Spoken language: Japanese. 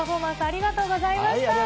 ありがとうございます。